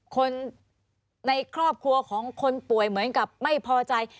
คนในครอบครัวของคนป่วยเหมือนกับไม่พอใจ